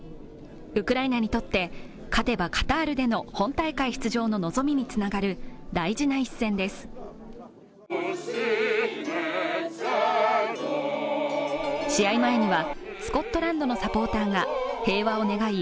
ウクライナにとって勝てばカタールでの本大会出場の望みにつながる大事な一戦です試合前にはスコットランドのサポーターが平和を願い